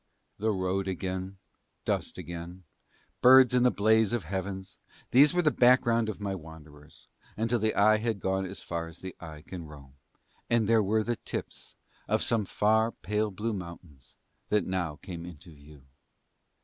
The road again, dust again, birds and the blaze of leaves, these were the background of my wanderers, until the eye had gone as far as the eye can roam, and there were the tips of some far pale blue mountains that now came into view.